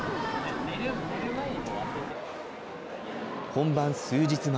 本番数日前。